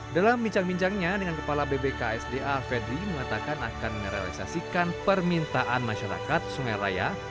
dalam minjang minjangnya dengan kepala bbksd alfedri mengatakan akan merealisasikan permintaan masyarakat sungai raya